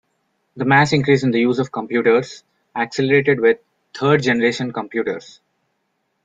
The mass increase in the use of computers accelerated with 'Third Generation' computers.